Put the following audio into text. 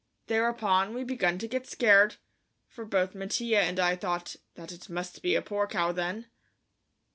Thereupon we began to get scared, for both Mattia and I thought that it must be a poor cow then.